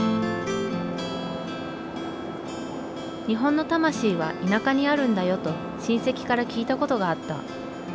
「日本の魂は田舎にあるんだよ」と親戚から聞いたことがあった。